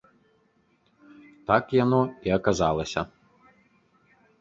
Так яно і аказалася.